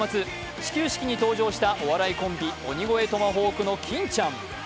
始球式に登場したお笑いコンビ・鬼越トマホークの金ちゃん。